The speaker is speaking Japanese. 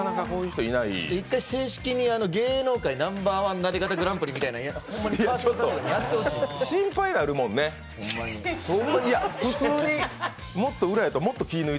１回、正式に芸能界ナンバーワンなで肩グランプリみたいなのをやってもらいたい。